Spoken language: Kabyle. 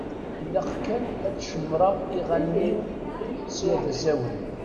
Ilaq kan ad cemṛeɣ iɣallen-iw sya d asawen.